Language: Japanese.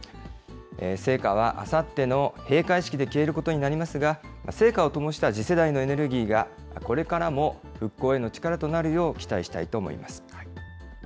聖火はあさっての閉会式で消えることになりますが、聖火をともした次世代のエネルギーが、これからも復興への力となるよう期待したいと思います。